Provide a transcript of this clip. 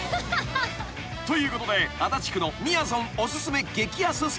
［ということで足立区のみやぞんお薦め激安スポット］